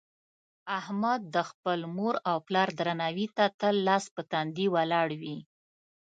احمد د خپل مور او پلار درناوي ته تل لاس په تندي ولاړ وي.